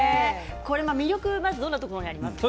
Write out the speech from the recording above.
魅力はどんなところにありますか？